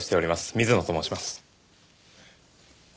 水野と申します。